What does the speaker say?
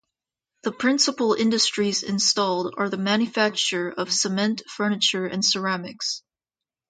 The principal industries installed are the manufacture of cement, furniture, and ceramics.